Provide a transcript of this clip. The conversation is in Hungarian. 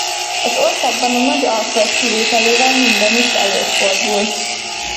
Az országban a Nagy-Alföld kivételével mindenütt előfordul.